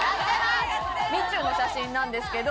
・みちゅの写真なんですけど。